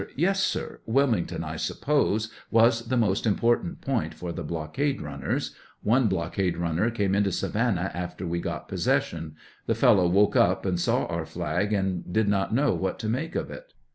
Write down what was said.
Yes, sir; Wilmington, 1 suppose, was the most important point for the blockade runners ; one blockade runner came into Savannah after we got possession; the fellow woke up and saw our flag, and did not know what to make of it.